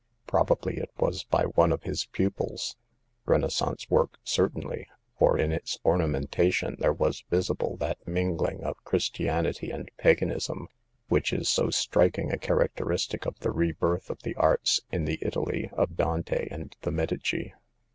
Probably it was by one of his pupils. Renaissance work certainly, for in its ornamentation there was visible that mingling of Christianity and paganism which is so striking a characteristic of the re birth of the Arts in the Italy of Dante and the Medici.